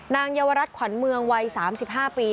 เยาวรัฐขวัญเมืองวัย๓๕ปี